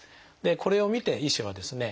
これを見て医師はですね